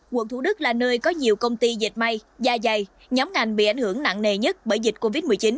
quận thủ đức là nơi có nhiều công ty dịch may da dày nhóm ngành bị ảnh hưởng nặng nề nhất bởi dịch covid một mươi chín